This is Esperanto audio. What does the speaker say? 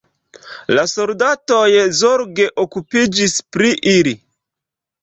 La soldatoj zorge okupiĝis pri ili.